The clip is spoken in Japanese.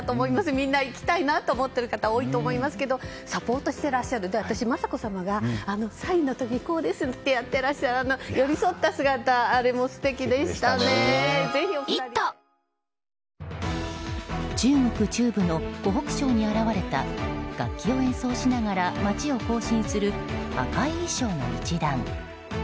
みんな行きたいと思っている方も多いと思いますけどサポートしてらっしゃる雅子さまがサインの時こうですってやってらっしゃる中国中部の湖北省に現れた楽器を演奏しながら街を行進する赤い衣装の一団。